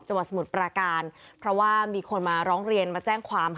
สมุทรปราการเพราะว่ามีคนมาร้องเรียนมาแจ้งความ